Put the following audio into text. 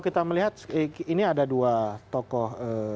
kita melihat ini ada dua tokoh